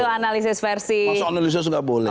itu analisis versi soal analisis nggak boleh